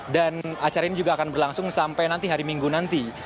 dan acara ini juga akan berlangsung sampai nanti hari minggu nanti